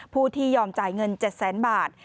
ผู้ที่ยอมจ่ายเงิน๗แสนบาท